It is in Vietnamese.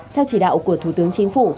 theo chỉ đạo của thủ tướng chính phủ